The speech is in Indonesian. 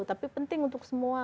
tapi penting untuk semua